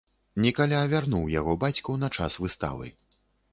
Нікаля вярнуў яго бацьку на час выставы.